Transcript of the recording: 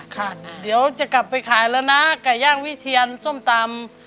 ค่ะเดี๋ยวจะกลับไปขายแล้วนะไก่ย่างวิเทียนส้มตำ